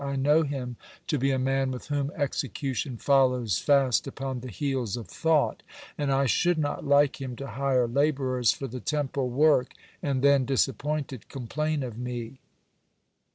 I know him to be a man with whom execution follows fast upon the heels of thought, and I should not like him to hire laborers for the Temple work, and then, disappointed, complain of me.